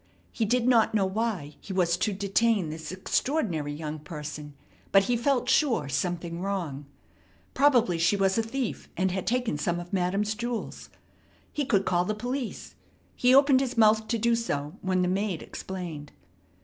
He did not know why he was to detain this extraordinary young person, but he felt sure something was wrong. Probably she was a thief, and had taken some of Madam's jewels. He could call the police. He opened his mouth to do so when the maid explained.